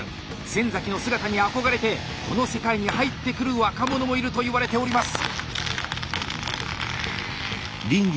先の姿に憧れてこの世界に入ってくる若者もいるといわれております。